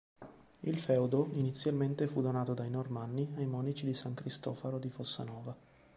Il feudo inizialmente fu donato dai Normanni ai monaci di San Cristofaro di Fossanova.